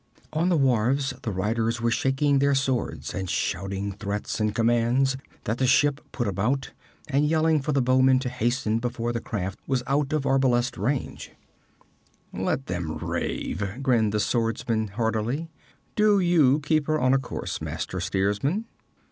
On the wharfs the riders were shaking their swords and shouting threats and commands that the ship put about, and yelling for the bowmen to hasten before the craft was out of arbalest range. 'Let them rave,' grinned the swordsman hardily. 'Do you keep her on her course, master steersman.'